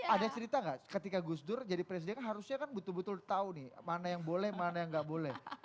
ada cerita nggak ketika gus dur jadi presiden harusnya kan betul betul tahu nih mana yang boleh mana yang nggak boleh